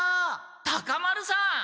タカ丸さん！